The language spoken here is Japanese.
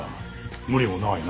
無理もないな。